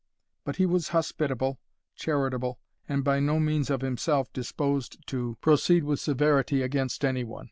But he was hospitable, charitable, and by no means of himself disposed to proceed with severity against any one.